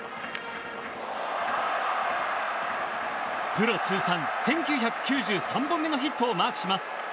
プロ通算１９９３本目のヒットをマークします。